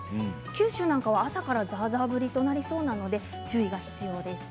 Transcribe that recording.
九州なんかは朝からざあざあ降りとなりそうなので注意が必要です。